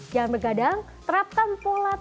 jangan bergadang terapkan pola tidur dan jalan